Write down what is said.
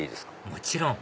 もちろん！